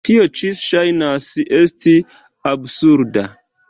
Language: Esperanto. Tio ĉi ŝajnas esti absurda.